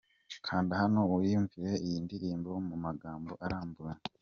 Kanda hano wiyumvire iyi ndirimbo mu magambo arambuye :.